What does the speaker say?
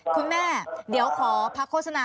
คุณแม่เดี๋ยวขอพักโฆษณา